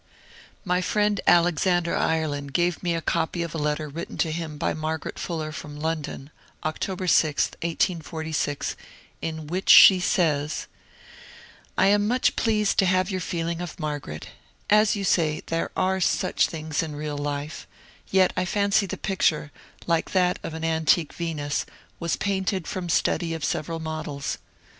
At Plymouth, ^ Mj friend Alexander Ireland gave me a copy of a letter written to him bj Margaret Fuller from London, October 6, 1846, in which she says: —<< I am mnch pleased to have jonr feeling of Margaret. As you say, there are tuch things in real life, yet I fancy the picture, like that of an antique Venus, was painted from study of several models.